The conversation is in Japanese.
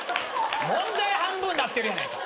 問題半分なってるやないか。